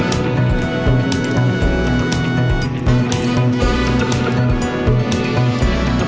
itu bukan protokol